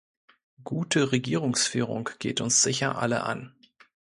Gute Regierungsführung geht uns sicher alle an.